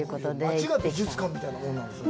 町が美術館みたいなものなんですね。